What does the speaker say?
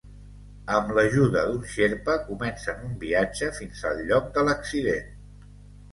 Amb l'ajuda d'un xerpa comencen un viatge fins al lloc de l'accident.